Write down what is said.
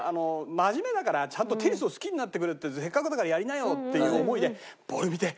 真面目だからちゃんとテニスを好きになってくれってせっかくだからやりなよっていう思いでボール見て！